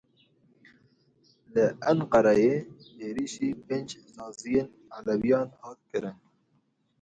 Li Enqereyê êrişî pênc saziyên Elewiyan hat kirin.